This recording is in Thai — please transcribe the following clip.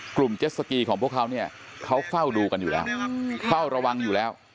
กลุ่มเจ็ดสกี่ของพวกเค้าเค้าเฝ้าระวังอยู่แล้ว